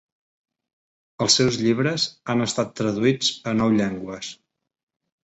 Els seus llibres han estat traduïts a nou llengües.